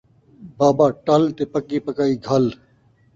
بابا ٹل تے پکی پکائی گھل